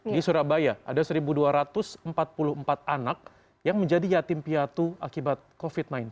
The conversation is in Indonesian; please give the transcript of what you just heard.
di surabaya ada satu dua ratus empat puluh empat anak yang menjadi yatim piatu akibat covid sembilan belas